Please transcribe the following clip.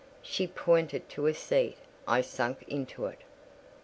She pointed to a seat; I sank into it.